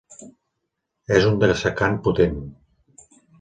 És un dessecant potent.